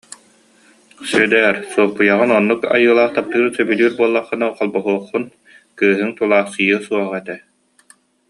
Сүөдээр, Суоппуйаҕын оннук айылаах таптыыр, сөбүлүүр буоллаххына холбоһуоххун, кыыһыҥ тулаайахсыйыа суох этэ